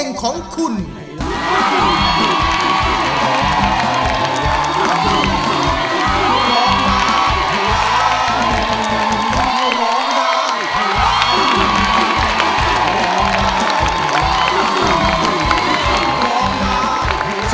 ร้องถูกร้องถูกร้องถูกร้องถูกร้องถูกร้องถูกร้องถูกร้องถูก